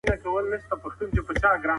خوله پاکه کړئ.